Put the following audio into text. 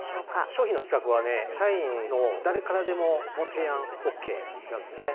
商品の企画はね社員の誰からでも提案ＯＫなんですね。